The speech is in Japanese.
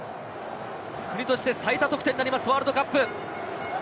国として最多得点になりますワールドカップ。